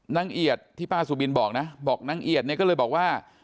เอียดที่ป้าสุบินบอกนะบอกนางเอียดเนี่ยก็เลยบอกว่า